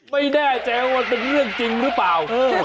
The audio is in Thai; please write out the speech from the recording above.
ไม่แน่ใจว่ามันเป็นเรื่องจริงหรือเปล่า